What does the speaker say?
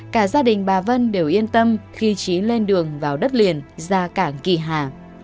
cả gia đình bà vân đều yên tâm khi trí lên đường vào đất liền ra cảng kỳ hà